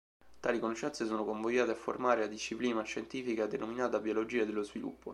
Tali conoscenze sono convogliate a formare la disciplina scientifica denominata biologia dello sviluppo.